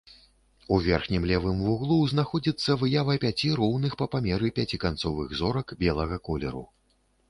У верхнім левым вуглу знаходзіцца выява пяці роўных па памеры пяціканцовых зорак белага колеру.